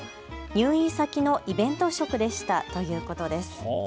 入院先のイベント食でしたということです。